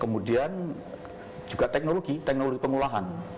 kemudian juga teknologi teknologi pengolahan